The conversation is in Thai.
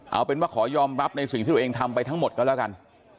เอาเป็นว่าขอยอมรับในสิ่งที่ตัวเองทำไปทั้งหมดก็แล้วกัน